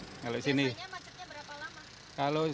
biasanya macetnya berapa lama